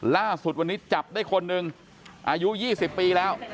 ล่าสุดวันนี้จับได้คนหนึ่งอายุ๒๐ปีแล้ว